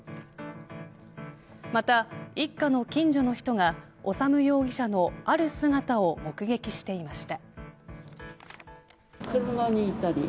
また、一家の近所の人が修容疑者のある姿を目撃していました。